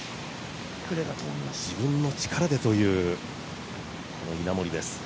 自分の力でという稲森です。